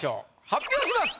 発表します。